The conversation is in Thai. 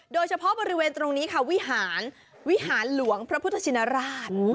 โดยเฉพาะบริเวณตรงนี้ค่ะวิหารวิหารหลวงพระพุทธชินราช